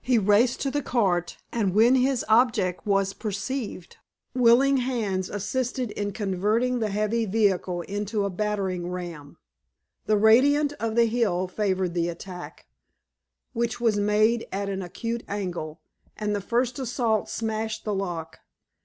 He raced to the cart, and, when his object was perceived, willing hands assisted in converting the heavy vehicle into a battering ram. The gradient of the hill favored the attack, which was made at an acute angle, and the first assault smashed the lock.